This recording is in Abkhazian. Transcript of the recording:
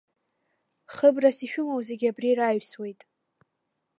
Хыбрас ишәымоу зегьы абри раҩсуеит.